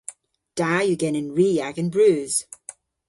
Da yw genen ri agan breus.